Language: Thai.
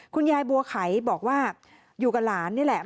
คุณยายบัวไขบอกว่าอยู่กับหลานนี่แหละ